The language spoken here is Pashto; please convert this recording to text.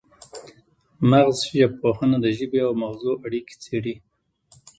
مغزژبپوهنه د ژبې او مغزو اړیکې څیړي